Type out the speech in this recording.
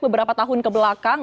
beberapa tahun ke belakang